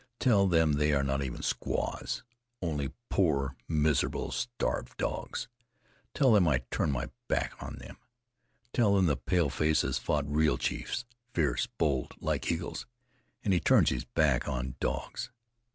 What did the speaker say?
Tell them they are not even squaws, only poor, miserable starved dogs. Tell them I turn my back on them. Tell them the paleface has fought real chiefs, fierce, bold, like eagles, and he turns his back on dogs.